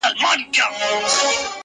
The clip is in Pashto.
که څه هم نازیه اقبال خپله په دې نه ارځي